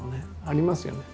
ありますよね。